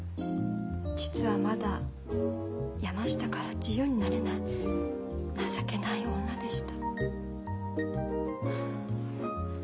実はまだ山下から自由になれない情けない女でした。